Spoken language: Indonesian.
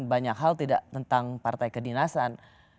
banyak hal tidak tentang partai kedinasan